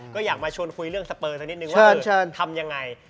ก็อยากมาชวนคุยเรื่องสเปอร์สักนิดนึงว่าทำยังไง